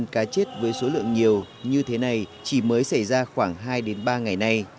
cá chết với số lượng nhiều như thế này chỉ mới xảy ra khoảng hai ba ngày nay